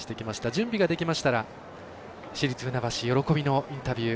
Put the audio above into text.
準備ができましたら市立船橋喜びのインタビュー